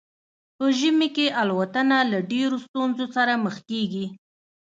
په ژمي کې الوتنه له ډیرو ستونزو سره مخ کیږي